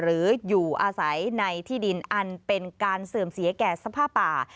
หรืออยู่อาศัยในที่ดินอันเป็นการเสื่อมเสียแก่สภาพป่า